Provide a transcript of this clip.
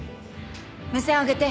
目線上げて。